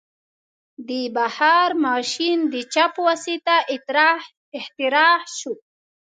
د بخار ماشین د چا په واسطه اختراع شو؟